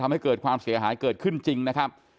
ทำให้เกิดความเสียหายเกิดขึ้นจริงนะครับ